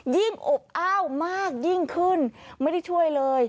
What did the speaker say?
อบอ้าวมากยิ่งขึ้นไม่ได้ช่วยเลย